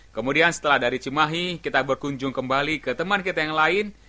kemudian setelah dari cimahi kita berkunjung kembali ke teman kita yang lain